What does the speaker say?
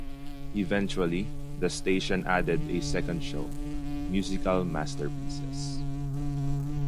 Eventually the station added a second show, Musical Masterpieces.